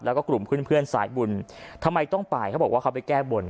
แล้วก็กลุ่มเพื่อนเพื่อนสายบุญทำไมต้องไปเขาบอกว่าเขาไปแก้บน